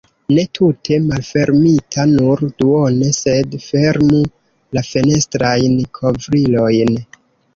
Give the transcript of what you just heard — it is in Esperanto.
Ne tute malfermita, nur duone, sed fermu la fenestrajn kovrilojn.